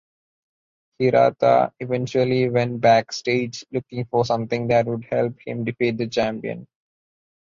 Hirata eventually went backstage looking for something that would help him defeat the champion.